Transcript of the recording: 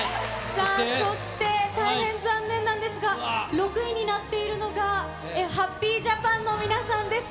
さあ、そして大変残念なんですが、６位になっているのがハッピージャパンの皆さんです。